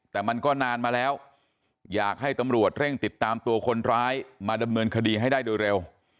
แต่มันก็นานมาแล้วอยากให้ตำรวจเร่งติดตามตัวคนร้ายมาดำเนินคดีให้ได้โดยเร็ว